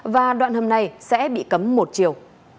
và đoạn hầm này sẽ bị cấm một triệu